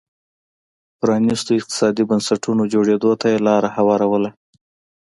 پرانيستو اقتصادي بنسټونو جوړېدو ته یې لار هواروله.